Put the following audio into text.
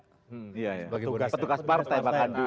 iya iya petugas partai